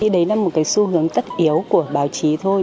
đấy là một cái xu hướng tất yếu của báo chí thôi